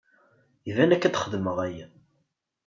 Iban akk ad xedmeɣ aya.